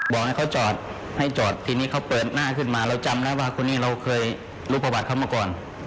บอกให้เขาจอดให้จอดทีนี้เขาเปิดหน้าขึ้นมาเราจำได้ว่าคนนี้เราเคยรู้ประวัติเขามาก่อน